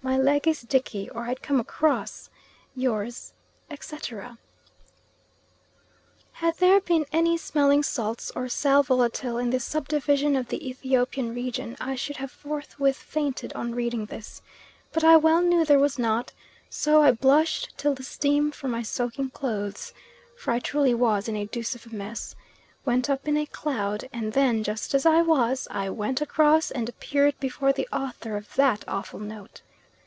My leg is dickey or I'd come across. Yours," etc. Had there been any smelling salts or sal volatile in this subdivision of the Ethiopian region, I should have forthwith fainted on reading this, but I well knew there was not, so I blushed until the steam from my soaking clothes (for I truly was "in a deuce of a mess") went up in a cloud and then, just as I was, I went "across" and appeared before the author of that awful note.